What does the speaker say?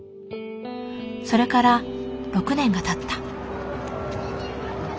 それから６年がたった。